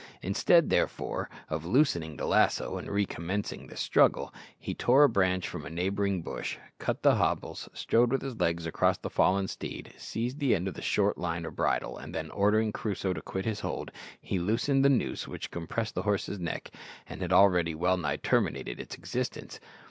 Instead, therefore, of loosening the lasso and re commencing the struggle, he tore a branch from a neighbouring bush, cut the hobbles, strode with his legs across the fallen steed, seized the end of the short line or bridle, and then, ordering Crusoe to quit his hold, he loosened the noose which compressed the horse's neck and had already well nigh terminated its existence.